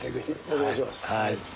お願いします。